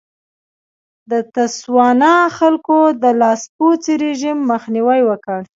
د تسوانا خلکو د لاسپوڅي رژیم مخنیوی وکړ.